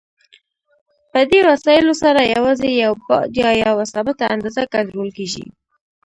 په دې وسایلو سره یوازې یو بعد یا یوه ثابته اندازه کنټرول کېږي.